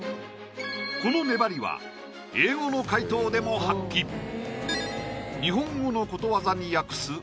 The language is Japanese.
この粘りは英語の解答でも発揮日本語のことわざに訳す